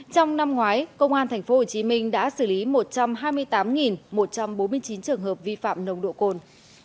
trong năm ngoái công an tp hcm đã xử lý một trăm hai mươi tám một trăm bốn mươi chín trường hợp vi phạm nồng độ cồn